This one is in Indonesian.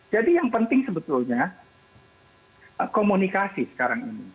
jadi yang penting sebetulnya komunikasi sekarang ini